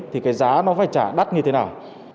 thì cái giá nó phải trả đắt như thế nào